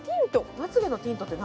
まつ毛のティントって何？